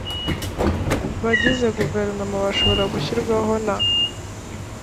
bagize guverinoma bashobora gushyirwaho na